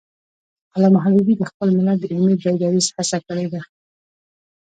علامه حبیبي د خپل ملت د علمي بیدارۍ هڅه کړی ده.